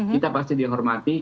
kita pasti dihormati